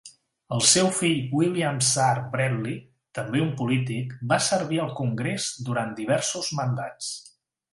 El seu fill William Czar Bradley, també un polític, va servir al congrés durant diversos mandats.